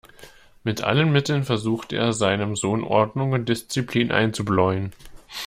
Mit allen Mitteln versucht er, seinem Sohn Ordnung und Disziplin einzubläuen.